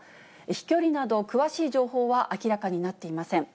飛距離など詳しい情報は明らかになっていません。